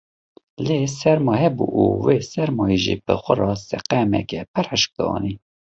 Lê serma hebû û vê sermayê jî bi xwe re seqemeke pir hişk dianî.